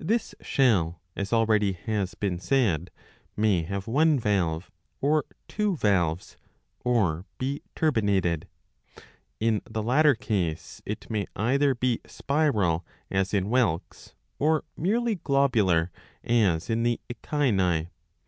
This shell, as already has been said, may have one valve, or two valves, or be turbinated. In the latter case it may either be spiral as in whelks, or merely globular, as in the Echini.